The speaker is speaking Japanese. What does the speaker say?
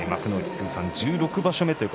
通算１６場所目。